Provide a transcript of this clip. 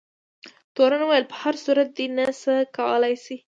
تورن وویل په هر صورت دی نه څه کولای شي.